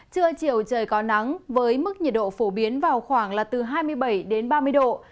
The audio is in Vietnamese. trưa chiều trời có nắng với mức nhiệt độ phổ biến vào khoảng là từ hai mươi bảy đến ba mươi độ